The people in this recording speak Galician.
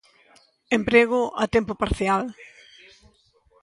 Emprego a tempo parcial.